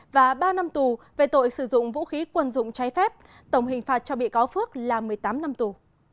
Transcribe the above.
và ba năm tù về tội sử dụng vũ khí quân dụng trái phép tổng hình phạt cho bị cáo phước là một mươi tám năm tù